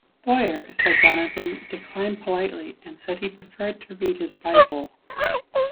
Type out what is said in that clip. Boyer, said Donovan, declined politely and said he preferred to read his Bible.